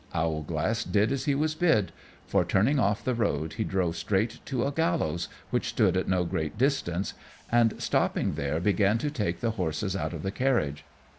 Owlglass did as he was bid, for, turning off the road, he drove straight to a gallows which stood at no great distance, and stopping there began to take the horses out of the carriage.